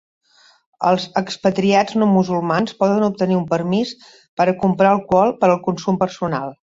Els expatriats no musulmans poden obtenir un permís per a comprar alcohol per al consum personal.